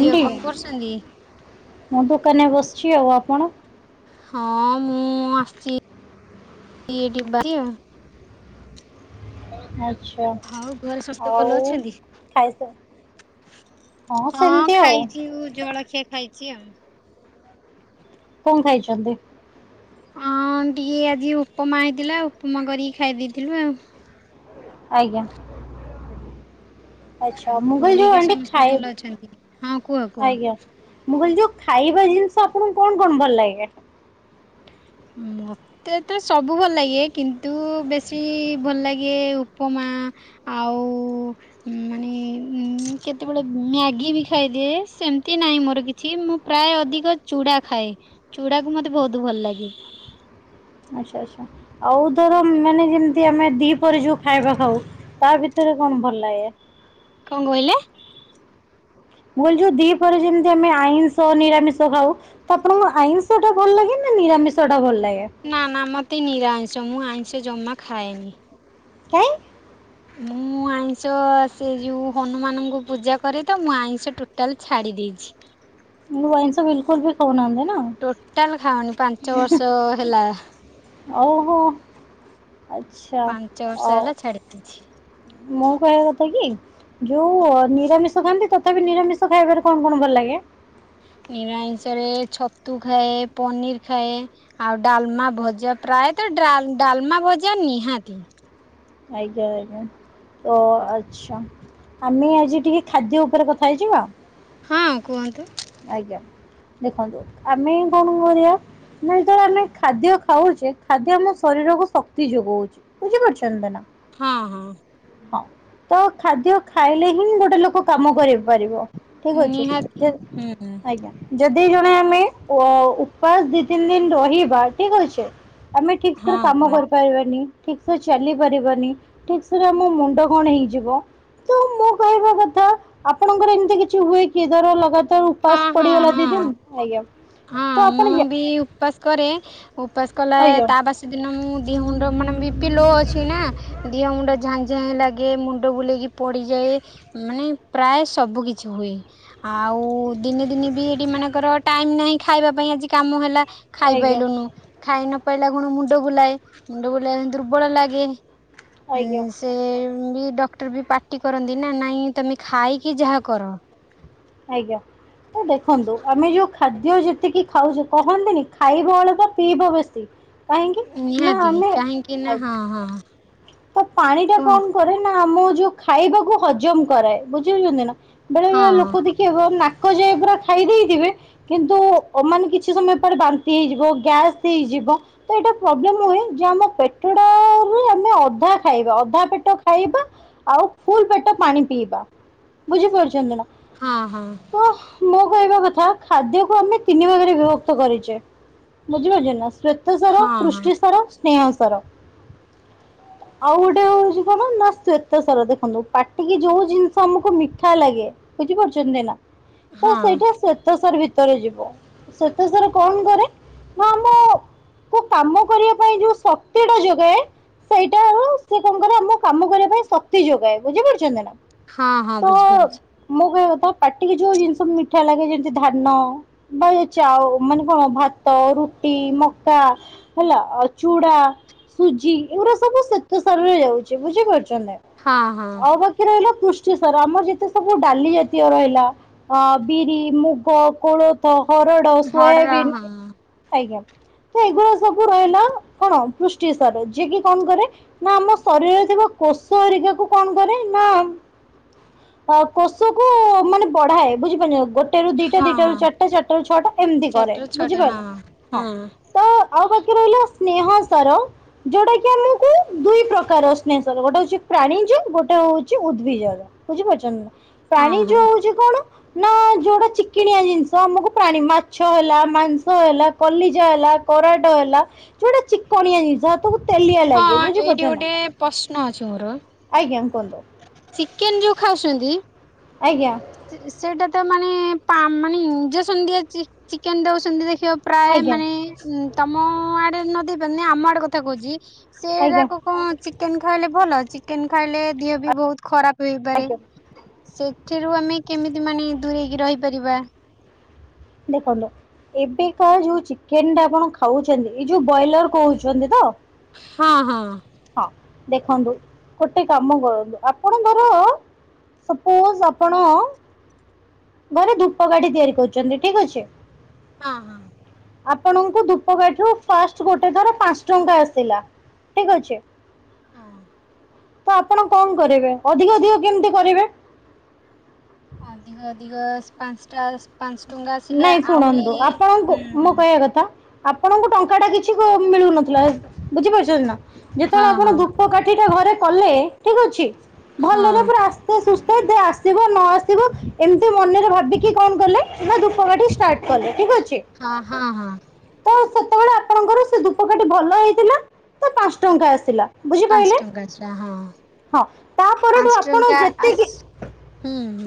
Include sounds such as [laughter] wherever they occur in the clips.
ଝିଅ କଣ କରୁଛନ୍ତି? ମୁଁ ଦୋକାନରେ ବସିଛି ଆଉ ଆପଣ? ହଁ ମୁଁ ଆସିଛି ଇ ବାରି ଚି ଆଉ। ଆଛା ଆଉ ଘରେ ସମସ୍ତେ ଭଲ ଆଉ ଅଛନ୍ତି? ଖାଇସା ହଁ ସେମିତି ଆଉ ଖାଇଛି ଇଉଁ ଜଳଖିଆ ଖାଇଛି ଆଉ। କଣ ଖାଇଛନ୍ତି? ହଁ ଟିକେ ଆଜି ଉପମା ହେଇଥିଲା ଉପମା କରିକି ଖାଇ ଦେଇଥିଲୁ ଆଉ। ଆଜ୍ଞା। ଆଚ୍ଛା ଆଉ ମୁଁ କହିଲି ଯୋଉ ବୋହିକା ଆଣ୍ଟି ସମସ୍ତେ ଖାଇ ଭଲ ଅଛନ୍ତି ହଁ କୁହ ଆଜ୍ଞା କୁହ ମୁଁ କହିଲି ଯୋଉ ଖାଇବା ଜିନିଷ ଆପଣଙ୍କୁ କଣ କଣ ଭଲ ଲାଗେ? ଉଁ ଭ ତ ତ ସବୁ ଭଲ ଲାଗେ କିନ୍ତୁ ବେଶୀ ଭଲ ଲାଗେ ଉପମା ଆଉ ମାନେ କେତେବେଳେ ମ୍ୟାଗି ବି ଖାଇଦିଏ ସେମତି ନାହିଁ ମୋର କି ଛି ମୁଁ ପ୍ରାୟ ଅଧିକ ଚୁଡ଼ା ଖାଏ ଚୁଡ଼ାକୁ ମତେ ବହୁତ ଭଲ ଲାଗେ। ଆଚ୍ଛା ଆଛା ଆଉ ଧର ମାନେ ଯେମତି ଆମେ ଦି ପହରେ ଯୋଉ ଖାଇବା ଖାଉ ତା ଭି ତରେ କଣ ଭଲ ଲାଗେ? କଣ କଇଲେ? ମୁଁ କଇଲି ଯୋଉ ଦିପରେ ଯେମିତି ଆମେ ଆଇଂଶ ନିରାମିସ ଖାଉ ତ ଆପଣଙ୍କୁ ଆଇିଷ ଟା ଭଲ ଲାଗେ ନା ନିରାମିଷ ଟା ଭଲ ଲାଗେ? ନା ନା ମତେ ନିରାମିଷ ମୁଁ ଆଇନ୍ସ ଜମା ଖାଏନି। କାଇଁ? ମୁଁ ଆଇଁଷ ସେ ଯୋଉ ହନୁମାନଙ୍କୁ ପୂଜା କରେ ତ ମୁଁ ଆଇଁଷ ଟୋଟାଲ ଛାଡି ଦେଇଛି। ମୁଁ ଆଇଁଷ ବିଲକୁଲ ବି କଉ ନାନ୍ତି ନା। ଟୋଟାଲ ଖାଉନି ପାଞ୍ଚ ବର୍ଷ ହେଲା। ଓହୋ ଆଛା ପାଞ୍ଚ ବର୍ଷ ଓ। ହେଲା ଛାଡି ଦେଇଛି। ମୁଁ କହିବା କଥା କି? ଯୋଉ ନିରାମିଷ ଖାଆନ୍ତି। ତଥାପି ନିରାମିଷ ଖାଇବାରେ କଣ କଣ ଭଲ ଲାଗେ? ନିରାମିଷରେ ଛତୁ ଖାଏ ପନିର ଖାଏ। ଆଉ ଡାଲମା ଭଜା ପ୍ରାୟତ ଡାଲମା ଭଜା ନିହାତି। ଆଜ୍ଞା ଆଜ୍ଞା। ତ ଆଛା ଆମେ ଆଜି ଟିକେ ଖାଦ୍ୟ ଉପରେ କଥା ହେଇଯିବା। ହଁ କୁହନ୍ତୁ। ଆଜ୍ଞା ଦେଖନ୍ତୁ ଆମେ କଣ କରିବା? ନାଇଁ ତ ଆମେ ଖାଦ୍ୟ ଖାଉଛେ। ଖାଦ୍ୟ ଆମ ଶରୀରକୁ ଶକ୍ତି ଯୋଗଉଛି। ବୁଝି ପାରୁଛନ୍ତି ନା। ହଁ ହଁ। ହଁ ତ ଖାଦ୍ୟ ଖାଇଲେ ହିଁ ଗୋଟେ ଲୋକ କାମ କର ପାରିବ। ଠିକ ଅଛି ନିହାତି ଜଦ ହୁଁ ଆଜ୍ଞା। ଯଦି ଜଣେ ଆମେ ଅ ଉପାସ ଦି ତିନି ଦିନ ରହିବା ଠିକ ଅଛେ। ଆମେ ଠିକ ସେରେ ହଁ କାମ କୁହନ୍ତୁ। କରିପାରିବାନି। ଠିକ ସେ ଚାଲି ପାରିବନି ଠିକ ସେ ତା ମୋ ମୁଣ୍ଡ କଣ ହେଇଯିବ ତ ମୁଁ କହିବା କଥା ଆପଣଙ୍କର ଏମିତି କିଛି ହୁଏ କି ଧର ଲଗା ତ ହଁ ଉପାସ ହଁ ପଡିଗଲା ଦି ହଁ। ଦିନ ଆଜ୍ଞା ତ ଆପଣ କି ଉପାସ? କରେ ଉପାସ କଲା ଆଜ୍ଞା ତା ବାସ ଦିନ ମୁଁ ଦିହ ମୁଣ୍ଡ ମାନେ ବି ପି ଲୋ ଅଛି ନା। ଦିହ ମୁଣ୍ଡ ଝାଁଝାଁ ଲାଗେ ମୁଣ୍ଡ ବୁଲେଇକି ପଡିଯାଏ। ମାନେ ପ୍ରାୟ ସବୁ କିଛି ହୁଏ। ଆଉ ଦିନେ ଦିନେ ବି ଏଠି ମାନଙ୍କର ଟାଇମ ନାହିଁ ଖାଇବା ପାଇଁ ଆଜି କାମ ହେଲା ଆଜ୍ଞା ଖାଇପାଇଲୁନୁ। ଖାଇ ନପାଇଲା ଗୁଣ ମୁଣ୍ଡ ବୁଲାଏ ମୁଣ୍ଡ ବୁଲାାଇ ଦୁର୍ବଳ ଲାଗେ ଉ। ଆଜ୍ଞା ସେ ବି ଡକ୍ଟର ବି ପାଟି କରନ୍ତି ନା ନାଇଁ ତୁମେ ଖାଇକି ଯାହା କର। ଆଜ୍ଞା। ତ ଦେଖନ୍ତୁ ଆମେ ଯୋଉ ଖାଦ୍ୟ ଯେତିକି ଖାଉଛେ କହନ୍ତିନି ଖାଇବ ଅଳପ ପିଇବ ବେଶୀ। କାହିଁକି ନା ନିହାତି ଆମେ କାହିଁକି ନା ଆଜ୍ଞା। ହଁ ହଁ ହଁ। ତ ପାଣି ଟା କଣ କରେ ନା ଆମ ଯୋଉ ଖାଇବାକୁ ହଜମ କରାଏ ବୁଝିଛନ୍ତି ନା। ବେଳେ ହଁ ବେଳେ ହଁ। ଲୋକ ଦେଖିବ ନାକ ଯାଏ ପୁରା ଖାଇ ଦେଇଥିବେ କିନ୍ତୁ ମାନେ କିଛି ସମୟ ପରେ ବାନ୍ତି ହେଇଯିବ ଗ୍ୟାସ୍ ହେଇଯିବ। ତ ଏଇଟା ପ୍ରୋବ୍ଲେମ ହୁଏ ଯେ ଆମ ପେଟ ଟା ରୁହେ ଆମେ ଅଧା ଖାଇବା ଅଧା ପେଟ ଖାଇବା ଆଉ ଫୁଲ ପେଟ ପାଣି ପିଇବା। ବୁଝି ପାରୁଛନ୍ତି ନା। ହଁ ହଁ। ଓ ମୋ କହିବା କଥା ଖାଦ୍ୟକୁୁ ଆମେ ତିନି ଭାଗରେ ବିଭକ୍ତ କରିଛେ। ବୁଝିପାରୁଛ ନା ଶ୍ୱେତ ସାର, ହଁ ହଁ ପୃଷ୍ଟି ସାର, ସ୍ନେହ ସର। ଆଉ ଗୋଟେ ହଉଛି କଣ ନା ଶ୍ୱେତ ସର ଦେଖନ୍ତୁ ପାଟିକି ଯୋଉ ଜିନିଷ ଆମକୁ ମିଠା ଲାଗେ। ବୁଝିପାରୁଛନ୍ତି ନା ତ ହଁ ସେଇଟା ଶ୍ଵେତ ସାର ଭିତରେ ଯିବ। ସ୍ୱେତ ସାର କଣ କରେ ନା ଆମ କୁ କାମ କରିବା ପାଇଁ ଯୋଉ ଶକ୍ତି ଟା ଯୋଗାଏ ସେଇଟାରୁ ସେ କଣ କରେ, ଆମ କାମ କରିବା ପାଇଁ ଶକ୍ତି ଯୋଗାଏ। ବୁଝି ପାରୁଛନ୍ତି ନା? ହଁ-ହଁ। ତ ବୁଝିପାରୁୁଚି। ମୋ କହିବା କଥା ପାଟିକି ଯୋଉ ଜିନିଷ ମିଠା ଲାଗେ। ଯେମିତି ଧାନ, ନ ଚା ମାନେ କଣ ଭାତ, ରୁଟି, ମକା, ହେଲା? ଆଉ ଚୁଡ଼ା, ସୁଜି, ଏଗୁଡା ସବୁ ସେତ ସାରରେ ଯାଉଚି। ବୁଝିପାରୁଛନ୍ତି? ହଁ ହଁ ଆଉ ବାକି କି ରହିଲା ପୃଷ୍ଟିସାର। ଆମର ଯେତେ ସବୁ ଡାଲି ଜାତୀୟ ରହିଲା ଅ ବିରି, ମୁଗ, କୋଳଥ, ହରଡ, ହଡର ସୋୟାବିନ୍, ହଁ ତ ଏଗୁଡା ସବୁ ରହିଲା କଣ, ପୃଷ୍ଟି ସାର ଜି ଯିଏ କି କଣ କରେ ନା ଆମ ଶରୀରରେ ଥିବା କୋଷ ଏରିକା କ କଣ କରେ ନା କୋଷକୁ ମାନେ ବଢାଏ। ବୁଝିପାରୁଛନ୍ତି? ଗୋଟେ ରୁ ଦିଟା ହଁ ଦିଟା ହଁ ରୁ ଚାରିଟା ଚାରିଟା ରୁ ଛଅଟା। ଏମିତି କରେ। ସେଟର ଛଅଟା ହଁ ବୁଝିପାରିଲେ? ହଁ, ତ ଆଉ ବାକି ରହିଲା ସ୍ନେହ ସାର ଯୋଉଟା କି ଆମକୁ ଦୁଇ ପ୍ରକାର ସ୍ନେହ ସାର। ଗୋଟେ ହଉଛି ପ୍ରାଣୀଯ୍ୟ ଗୋଟେ ହଉଛି ଉଦ୍ଭିଜୟ। ବୁଝିପାରୁଚନ୍ତି ନା? ହଁ ପ୍ରାଣୀଯ୍ୟ ହଁ ଯୋଉ ହଉଛି କଣ? ନା ଯୋଉଟା ଚିକିଣିଆ ଜିନିଷ। ଆମକୁ ପ୍ରାଣୀ ମାଛ ହେଲା, ମାଂସ ହେଲା, କଲିଜା ହେଲା, କରାଟ ହେଲା। ଯୋଉଟା ଚିକଣିଆ ଜିନିଷ ହାତକୁ ତେଲିଆ ଲାଗେ ହଁ, ବୁଝିପାରୁଛ ଏଇଠି ନା ଗୋଟେ ପ୍ରଶ୍ନ ଅଛି ମୋର। ଆଜ୍ଞା କୁହନ୍ତୁ ଚିକେନ ଯୋଉ ଖାଉଛନ୍ତି ଆଜ୍ଞା? ସେ ସେଇଟା ତ ମାନେ ପା ମାନେ ଇଞ୍ଜେକ୍ସନ ଦିଆ ଚିକ ଚିକେନ ଦଉସନ୍ତି ଦେଖିବା ପ୍ରାୟ ଆଜ୍ଞା ମାନେ ତମ ଆଡେ ନ ଦେଇ ପାରନ୍ତି। ଆମ ଆଡେ କଥା କହୁଚି। ଆଜ୍ଞା ଆଜ୍ଞା ସେଇରାକୁ କଣ ଚିକେନ ଖାଇଲେ ଭଲ? ଚିକେନ ଖାଇଲେ ଦିହ ବି ବହୁତ ଖରାପ ହୋଇପାରେ। ଆଜ୍ଞା ସେଥିରୁ ଆମେ କେମିତି ମାନେ ଦୂରେଇକି ରହିପାରିବା? ଦେଖନ୍ତୁ ଏବେ କା ଯୋଉ ଚିକେନ ଟା ଆପଣ ଖାଉଛନ୍ତି। ଏଇ ଯୋଉ ବ୍ରଏଲର କହୁଛନ୍ତି ତ? ହଁ, ହଁ। ହଁ, ଦେଖନ୍ତୁ ଗୋଟେ କାମ କରନ୍ତୁ, ଆପଣଙ୍କର ସପୋଜ ଆପଣ ଘରେ ଧୂପ ଗାଡି ତିଆରି କରୁଚନ୍ତି ଠିକ ଅଛି? ହଁ, ହଁ। ଆପଣଙ୍କୁ ଧୂପକାଠ ର ଫାଷ୍ଟ ଗୋଟେ ଥର ପାଞ୍ଚ ଟଙ୍କା ଆସିଲା। ଠିକ ଅଛି? ହଁ। ତ ଆପଣ କଣ କରିବେ? ଅଧିକ ଅଧିକ କେମିତି କରିବେ। ଅଧିକ ଅଧିକ ପାଞ୍ଚଟା ପାଞ୍ଚ ଟଙ୍କା ଆସିଲେ ନାଇଁ ଆହୁରି ଶୁଣନ୍ତୁ। ଆପଣଙ୍କୁ, ହୁଁ ମୁଁ ହୁଁ। କହିବା କଥା ଆପଣଙ୍କୁ ଟଙ୍କା ଟା କିଛି କ ମିଳୁନଥିଲା, ବୁଝିପାରୁଛନ୍ତି ନା? ଯେତେବେଳେ ହଁ ଆପଣ ହଁ ଧୂପ କାଠିଟା ଘରେ କଲେ, ଠିକ ଅଛି? ହଁ। ଭଲରେ ପୁରା ସେ ସୁସ୍ଥ ଆସିବ ନ ଆସିବ ଏମିତି ମନରେ ଭାବିକି କଣ କଲେ [unintelligible] ନା ଦୂପକାଠି ଷ୍ଟାର୍ଟ କଲେ, ଠିକ୍ ଅଛି? ହଁ, ହଁ, ହଁ। ତ ସେତେବେଳେ ଆପଣଙ୍କର ସେ ଦୂପକାଟି ଭଲ ହେଇଥିଲା, ତ ପାଞ୍ଚ ଟଙ୍କା ଆସିଲା। ପାଞ୍ଚ ବୁଝିପାରିଲେ? ଟଙ୍କା ଆସିଲା ହଁ ହଁ, ତାପଠୁ ପାଞ୍ଚ ଆପଣ ଟଙ୍କା ଆସ ଯେତିକି ହୁଁ ହୁଁ।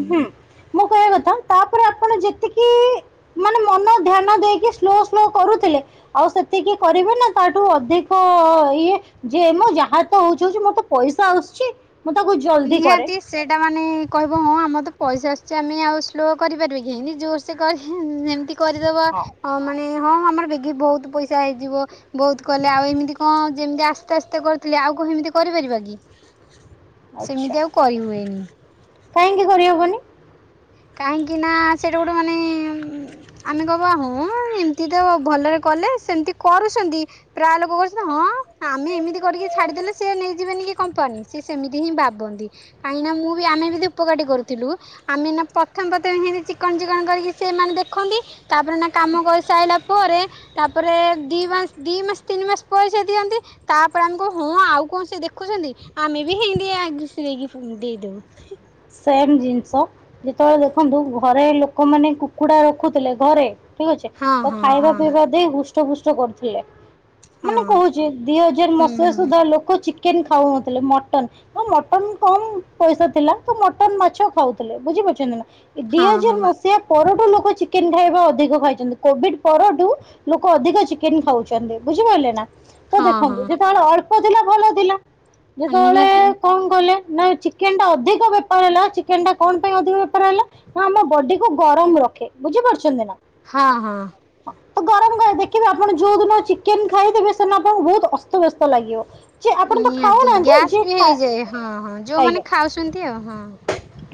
ମୁଁ କହିବା କଥା ତାପରେ ଆପଣ ଯେତିକି ମନ ଧ୍ୟାନ ଦେଇକି ସ୍ଲୋ ସ୍ଲୋ କରୁଥିଲେ। ଆଉ ସେତିକି କରିବ ନା ତାଠୁ ଅଧିକ ଇଏ ଯିଏ ମ ଯାହା ତ ହଉଚି ହଉଚି ମୋର ତ ପଇସା ଆସୁଛି। ମୁଁ ତାକୁ ଯ ନିହାତି ସେଇଟା ମାନେ କହିବ ହଁ ଆମର ତ ପଇସା ଆସୁଛି ଆମେ ଆଉ ସ୍ଲୋ କରିପାରିବେ କେହିଁତି ଜୋରସେ କରି ଏମିତି କରିଦବା ଆ ମାନେ ହଁ ଆମର ବଗି ବହୁତ ପଇସା ହେଇଯିବ। ବହୁତ କଲେ ଆଉ ଏମିତି କଣ ଯେମିତି ଆସ୍ତେ ଆସ୍ତେ କରିଥିଲେ ଆଉ କଣ ଏମିତି କରିପାରିବା କି। ଆଚ୍ଛା ସେମିତି ଆଉ କରିହୁଏନି। କାହିଁକି କରିହବନି। କାହିଁକି ନା ସେଇଟା ଗୋଟେ ମାନେ ଆମେ କହିଁବା ହଁ ଏମତି ତ ଭଲରେ କଲେ ସେମତି କରୁଛନ୍ତି। ପ୍ରାୟ ଲୋକ କହୁଛନ୍ତି ହଁ ଆମେ ଏମିତି କରିକି ଛାଡିଦେଲେ ସିଏ ନେଇଯିବେନି କି କମ୍ପାନୀ ସିଏ ସେମିତି ହିଁ ଭାବନ୍ତି। କାହିଁକିନା ମୁଁ ବି ଆମେ ବି ଧୂପକାଟି କରୁଥିଲୁ ଆମେ ଏଇନା ପ୍ରଥମ ପ୍ରଥମେ ହେଇନ୍ତି ଚିକଣ ଚିକଣ କରିକି ସେମାନେ ଦେଖନ୍ତି ତାପରେ ନା କାମ କରିସାରିଲା ପରେ ତାପରେ ଦି ମାସ ଦିଇ ମାସ ତିନି ମାସ ପଇସା ଦିଅନ୍ତି। ତାପରେ ଆମକୁ ହଁ ଆଉ କଣ ସେ ଦେଖୁଛନ୍ତି। ଆମେ ବି ହେଇ ଆଗରେକିଣି ଦେଇଦବୁ। ସେମ୍ ଜିନିଷ। ଯେତେବେଳେ ଦେଖନ୍ତୁ ଘରେ ଲୋକମାନେ କୁକୁଡା ରଖୁଥିଲେ ଘରେ ଠିକ ଅଛି ହଁ ତ ହଁ ଖାଇବା ହଁ ପିଇବା ଦେଇ ହୃଷ୍ଟ ଫୁଷ୍ଟ କରୁଥିଲେ। ମାନେ ହଁ। କହୁଛି ଦି ହଜାର ହୁଁ ମସିହା ହୁଁ ସୁଦ୍ଧା ଲୋକ ଚିକେନ ଖାଉନଥିଲେ ମଟନ ମଟନ କମ ପଇସା ଥିଲା। ମଟନ ମାଛ ଖାଉଥିଲେ ବୁଝିପାରୁଛନ୍ତି ଏଇ ଦି ହଁ ହଜାର ହଁ ମସିହା ସେ ପରଠୁ ଲୋକ ଚିକେନ୍ ଖାଇବା ଅଧିକ ଖାଇଛନ୍ତି କୋଭିଡ଼୍ ପରଠୁ ଲୋକ ଅଧିକ ଚିକେନ ଖାଉଛନ୍ତି ବୁଝିପାରିଲେ ନା। ତ ହଁ ଦେଖନ୍ତୁ ଯେତେବେଳେ ଅଳ୍ପ ଥିଲା ଭଲ ଥିଲା ହଁ ଯେତେବେଳେ ନିହାତି କଣ କଲେ ନା ଚିକେନ ଟା ଅଧିକ ବେପାର ହେଲା ଚିକେନ ଟା କଣ ପାଇଁ ଅଧିକ ବେପାର ହେଲା। ନା ଆମ ବଡିକୁୁ ଗରମ ରଖେ ବୁଝି ପାରୁଛନ୍ତି ନା। ହଁ ହଁ। [inaudible] ଗରମ ଦେଖିବେ ଆପଣ ଯୋଉ ଦିନ ଚିକେନ ଖାଇଦବେ ସେଦିନ ଆପଣଙ୍କୁ ବହୁତ ଅସ୍ତବସ୍ତ ଲାଗିବ। ଯେ ଆପଣ ତ ନିହାତି ଖାଉନାହାନ୍ତି ଗ୍ୟାସ ଯିଏ ବି ଖା ହେଇଯାଏ ହଁ ହଁ ଯୋଉମାନେ ଆଜ୍ଞା। ଖାଉଛନ୍ତି ଆଉ ହଁ।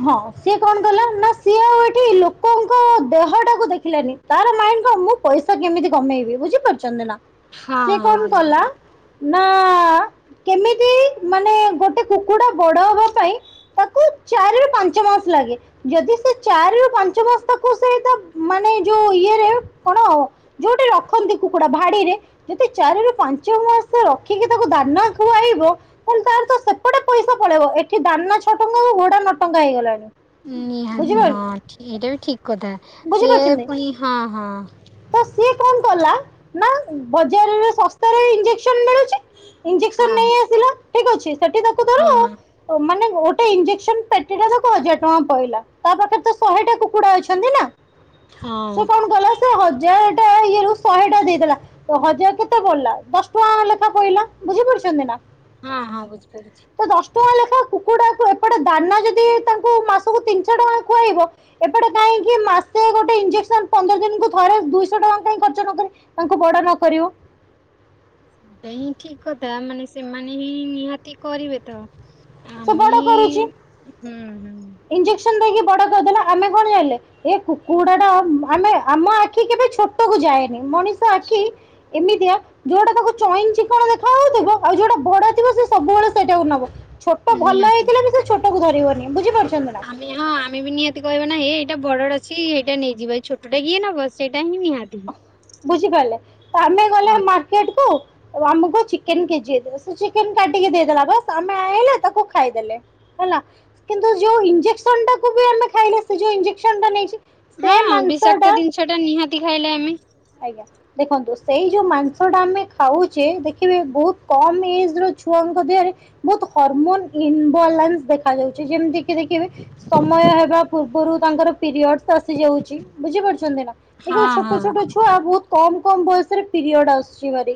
ହଁ ସିଏ କଣ କଲା ନା ସିଏ ଆଉ ଏଠି ଲୋକଙ୍କ ଦେହ ଟାକୁ ଦେଖିଲାନି। ତାର ମାଇଣ୍ଡ କଣ ମୁ ପଇସା କେମିତି କମେଇବି ବୁଝିପାରୁଛନ୍ତି ନା ହଁ ସିଏ ହଁ କଣ କଲା ବୁଝିପାରିଲି ନା କେମିତି ମାନେ ଗୋଟେ କୁକୁଡା ବଡ ହବା ପାଇଁ। ତାକୁ ଚାରିରୁ ପାଞ୍ଚ ମାସ ଲାଗେ ଯଦି ସେ ଚାରିରୁ ପାଞ୍ଚ ମାସ ସେ ତା ମାନେ ଯୋଉ ଇଏରେ କଣ ଯୋଉଠି ରଖନ୍ତି କୁକୁଡା ଭାଡିରେ। ଯଦି ଚାରିରୁ ପାଞ୍ଚ ମାସ ରଖିକି ତାକୁ ଦାନା ଖୁଆଇବ। ତାଲେ ତାର ତ ସେପଟେ ପଇସା ପଳେଇବ ଏଠି ଦାନା ଛଅ ଟଙ୍କା କୁ ଘୋଡା ନ ଟଙ୍କା ହେଇଗଲାଣି। ନିହାତି ବୁଝିପାରୁଛ ହଁ ଏଇଟା ବି ଠିକ କଥା ସିଏ ବୁଝିପାରୁଛନ୍ତି ପୁଣି ହଁ ହଁ। ତ ସିଏ କଣ କଲା ନା ବଜାରରେ ଶସ୍ତାରେ ଇଞ୍ଜେକସନ ମିଳୁଛି ଇଞ୍ଜେସନ ହଁ ନେଇ ଆସିଲା ଠିକ ଅଛି ସେଠି ତାକୁ ହଁ- ହଁ। ଧର ମାନେ ଗୋଟେ ଇଞ୍ଜେକ୍ସନ ପେଟିଟା ଦେଖ ହଜାର ଟଙ୍କା ପହିଲଲା ତା ପାଖରେ ତ ଶହେ ଟା କୁକୁଡା ଅଛନ୍ତି ନା। ହଁ ସେ କଣ କଲା ସେ ହଜାର ଟା ଇଏରୁ ଶହେ ଟା ଦେଇଦେଲା। ତ ହଜାରେ କେ କେତେ ପଡ଼ିଲା ଦଶଟଙ୍କା ଲେଖାଏଁ ପଡ଼ିଲା ବୁଝି ପାରୁଛନ୍ତି ନା। ହଁ- ହଁ ବୁଝିପାରୁୁଛି। ତ ଦଶ ଟଙ୍କା ଲେଖା କୁକୁଡ଼ାକୁ ଏପଟେ ଦାନା ଯଦି ତାଙ୍କୁ ମାସକୁ ତିନିସ ଟଙ୍କା ଖୁଆଇବ ଏପଟେ କାହିଁକି ମାସେ ଗୋଟେ ଇଞଜେସନ ପନ୍ଦର ଦିନକୁ ଥରେ ଦୁଇଶହ ଟଙ୍କା କଁ ଖର୍ଚ୍ଚ କରି ତାଙ୍କୁ ବଡ ନ କରିବୁ। ଏଟା ହିଁ ଠିକ କଥା ମାନେ ସେମାନେ ହିଁ ନିହାତି କରିବେ ତ। ସେ ଆମେ ବଡ କରୁଛି ହୁଁ ଇଞଜେସନ ଦେଇକି ବଡ କରିଦେଲେ ଆମେ କଣ ଜାଣିଲେ ଏ କୁକୁଡା ଟା ଆମେ ଆମ ଆଖି କେବେ ଛୋଟ କୁ ଯାଏନି ମଣିଷ ଆଖି ଏମି ଦିଆ ଯୋଉଟା ତାକୁ ଚଇନ ଚିକଣ ଦେଖା ହାଉଥିବ ଆଉ ଯୋଉଟା ଭଡା ଥିବ ସେ ସବୁବେଳେ ସେଇଟାକୁ ନବ। ଛ ହୁଁ ଭଲ ନିହାତି। ହେଇଥିଲା ବି ସେ ଛୋଟୁ ଧରିବନି ବୁଝିପାରୁଛନ୍ତି ନା। ଆମେ ହଁ ଆମେ ବି ନିହାତି କହିବା ନା ଏଇଟା ବଡ ର ଅଛି ଏଇଟା ନେଇଯିବା ଏଇ ଛୋଟା କିଏ ନବ ସେଇଟା ହିଁ ନିହାତି। ବୁଝିପାରିଲେ ଆମେ ଗଲେ ହଁ। ମାର୍କେଟ କୁ ଆମକୁ ଚିକେନ କେଜି ଚେନ କାଟିକି ଦେଇଦେଲାସ୍ ଆମେ ଆଣଲେ ତାକୁ ଖାଇଦେଲେ। ହେଲା କିନ୍ତୁ ଯୋଉ ଇଞ୍ଜେକ୍ସନ ଟା କୁ ବି ଆମେ ଖାଇଲେ ସେ ଯୋଉ ଇଞ୍ଜେକ୍ସନ ଟା ନେଇଛି। ସେ ହଁ ମାଂସ ବିଷାକ୍ତ ଜିନିଷ ଟା ନିହାତି ଖାଇଲେ ଆମେ। ଆଜ୍ଞା। ଦେଖନ୍ତୁ ସେଇ ଯୋଉ ମାଂସ ଟା ଆମେ ଖାଉଛେ ଦେଖିବେ ବହୁତ କମ ଏଜ ର ଛୁଆଙ୍କ ଦେହରେ ବହୁତ ହରମୋନ ଇନବାଲାନ୍ସ ଦେଖା ଯାଉଛି ଯେମିତି ଦେଖିବି ସମୟ ହେବା ପୂର୍ବରୁ ତାଙ୍କର ପିରିୟଡସ ଆସି ଯାଉଛି ବୁଝିପାରୁଛନ୍ତି ନା। ଦେଖ ହଁ ଛୋଟ ହଁ। ଛୋଟ ଛୁଆ ବହୁତ କମ କମ ବୟସରେ ପିରିୟଡ ଆସୁଛି।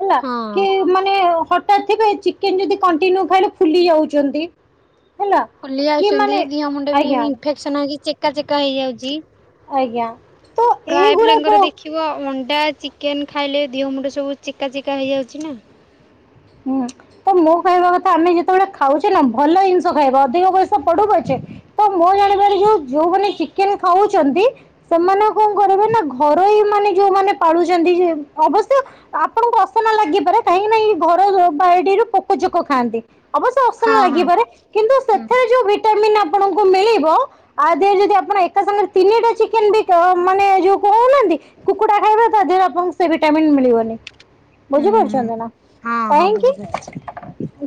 ହେଲା ହଁ କି ମାନେ ହଠାତ୍ ଥିବେ ଚେ ଯଦି କଣ୍ଟିନ୍ୟୁ ଖାଇଲେ ଫୁଲି ଯାଉଛନ୍ତି। ହେଲା ଫୁଲି କି ମାନେ ଯାଉଛନ୍ତି ଦିହ ମୁଣ୍ଡ ବି ଆଜ୍ଞା ଇନଫେକ୍ସନ ହଉଛି ଚେକା ଚେକା ହେଇଯାଉଛି। ଆଜ୍ଞା। ତ ପ୍ରାଏ ପିଲାଙ୍କର ଏଇଗୁଡାକ ଦେଖିବ ଅଣ୍ଡା ଚିକେନ ଖାଇଲେ ଧୀହ ମୁଣ୍ଡ ସବୁ ଚିକା ଚିକା ହେଇଯାଉଛି ନା ହୁଁ ତ ମୋ କହିବା କଥା ଆମେ ଯେତେବେଳେ ଖାଉଛେ ନା ଭଲ ଜିନିଷ ଖାଇବା ଅଧିକ ପଇସା ପୁଛେ ତ ମୁଁ ଜାଣିବ ଯୋଉ ଯୋଉମାନେ ଚିକେନ ଖାଉଛନ୍ତି ସେମାନେ କଣ କରିବେ ନା ଘରୋଇ ମାନେ ଯୋଉମାନେ ପାଳୁଛନ୍ତି ଅବଶ୍ୟ ଆପଣଙ୍କୁ ଅସନା ଲାଗିପାରେ କାହିଁକି ନା ଘର ଯୋ ବାଡି ରୁ ପୋକଯୋକ ଖାଆନ୍ତି ଅବଶ୍ୟ ଅସନା ହଁ ହଁ। ଲାଗିପାରେ କିନ୍ତୁ ହୁଁ ସେଥିରେ ଯୋଉ ଭି ଭି ଆପଣଙ୍କୁ ମିଳିବ। ଆଉ ଦେହ ଯଦି ଆପଣ ଏକା ସାଙ୍ଗରେ ତିନିଟା ଚିକେନ ବି ମାନେ ଯୋଉ କହୁନାହାନ୍ତି କୁକୁଡ଼ା ଖାଇବା ତା ଦେହରେ ଆପଣଙ୍କୁ ସେ ଭିଟାମନ୍ ମିଳିବନି ହୁଁ ବୁଝିପାରୁଛନ୍ତି ହୁଁ। ନା। ହଁ ହଁ କାହିଁକି? ବୁଝିପାରୁଛି।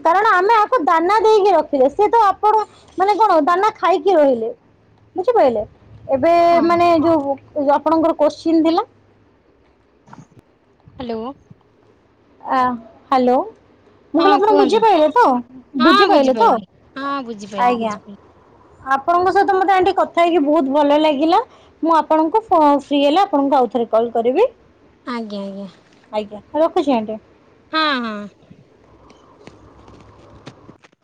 କାରଣ ଆମେ ଆକୁ ଦାନା ଦେଇକି ରଖିଲେ ସେ ତ ଆପଣ ମାନେ କଣ ଦାନା ଖାଇକି ରହିଲେ। ବୁଝିପାରିଲେ ଏବେ ହଁ ମାନେ ଯୋଉ ଆପଣଙ୍କର କୋଶ୍ଚିନ୍ ଥିଲା। Hello hello. ମୁଁ ହଁ କହିଲି ଆପଣ କୁହନ୍ତୁ ବୁଝି ପାଇଲେ ତ ହଁ ବୁଝି ପାଇଲେ ତ। ବୁଝିପାରିଲି। ହଁ ବୁଝିପାରିଲି ଆଜ୍ଞା। ବୁଝିପାରିଲି ଆପଣଙ୍କ ସହିତ ମତେ ଆଣ୍ଠି କଥା ହେଇକି ବହୁତ ଭଲ ଲାଗିଲା। ମୁଁ ଆପଣଙ୍କୁ ଫ୍ରି ହେଲା ଆପଣଙ୍କୁ ଆଉଥରେ କଲ୍ କରିବି। ଆଜ୍ଞା ଆଜ୍ଞା। ଆଜ୍ଞା, ରଖୁଛି ଆଣ୍ଟି ହଁ ହଁ,